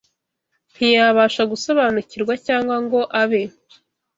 ntiyabasha gusobanukirwa cyangwa ngo abe